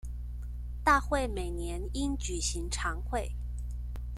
大會每年應舉行常會